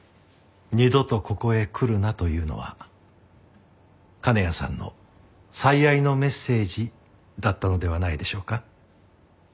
「二度とここへ来るな」というのは金谷さんの最愛のメッセージだったのではないでしょうか。